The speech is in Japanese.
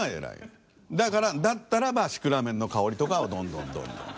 だったらば「シクラメンのかほり」とかをどんどんどんどん。